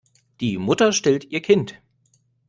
Die Mutter stillt ihr Kind.